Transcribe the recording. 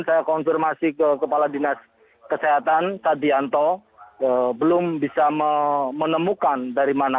kemarin saya konfirmasi ke kepala dinas kesehatan kak dianto belum bisa menemukan dari mana